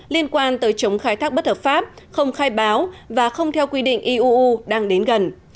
liên quan tới chống khai thác bất hợp pháp không khai báo và không theo quy định iuu đang đến gần